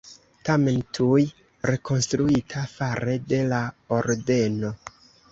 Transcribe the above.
Tamen tuj rekonstruita fare de la Ordeno.